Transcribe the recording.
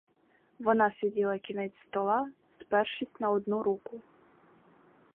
Вона сиділа кінець стола, спершись на одну руку.